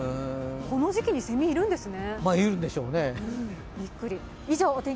この時期にセミ、いるんですね。